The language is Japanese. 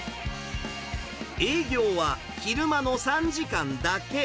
営業は昼間の３時間だけ。